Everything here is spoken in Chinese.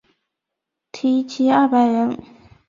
缇骑二百人。